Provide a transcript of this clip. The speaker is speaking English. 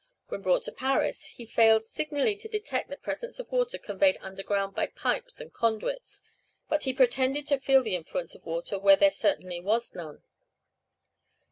When brought to Paris, he failed signally to detect the presence of water conveyed underground by pipes and conduits, but he pretended to feel the influence of water where there certainly was none.